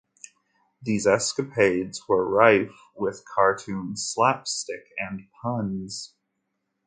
These escapades were rife with cartoon slapstick and puns.